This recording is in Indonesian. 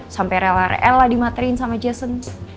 sampai rela rela dimaterin sama jason